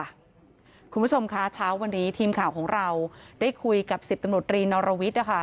คุณผู้ชมคะเช้าวันนี้ทีมข่าวของเราได้คุยกับสิบตำรวจรีนรวิทย์นะคะ